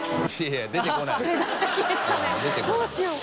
どうしよう！